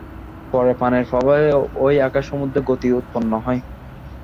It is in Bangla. পরে প্রাণের প্রভাবে এই আকাশ-সমুদ্রে গতি উৎপন্ন হয়।